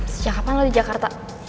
sejak kapan lah di jakarta